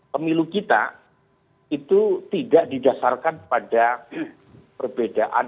pemilu kita itu tidak didasarkan pada perbedaan